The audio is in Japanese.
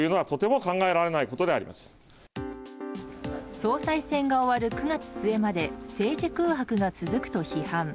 総裁選が終わる９月末まで政治空白が続くと批判。